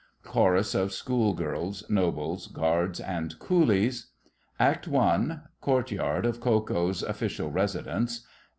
Chorus of School girls, Nobles, Guards, and Coolies. ACT I.—Courtyard of Ko Ko's Official Residence.